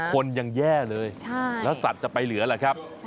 คนยังแย่เลยแล้วสัตว์จะไปเหลือล่ะครับ